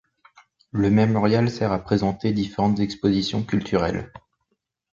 Le mémorial sert à présenter différentes expositions culturelles.